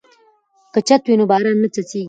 که چت وي نو باران نه څڅیږي.